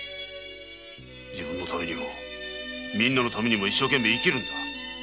自分のためにもみんなのためにも一生懸命に生きるんだ！